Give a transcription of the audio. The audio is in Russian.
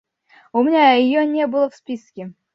У меня ее не было в списке.